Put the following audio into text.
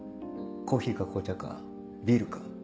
コーヒーか紅茶かビールか。